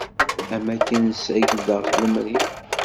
Am akken sakdeɣ lemri.